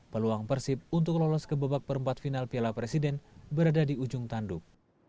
peluang persib untuk lolos ke babak perempat final piala presiden berada di ujung tanduk